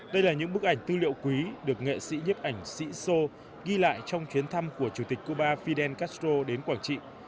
đây là những bức ảnh tư liệu quý được nghệ sĩ nhấp ảnh sĩ sô ghi lại trong chuyến thăm của chủ tịch cuba fidel castro đến quảng trị